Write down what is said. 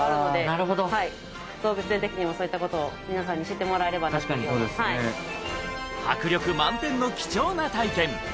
なるほどはい動物園的にもそういったことを皆さんに知ってもらえればなと迫力満点の貴重な体験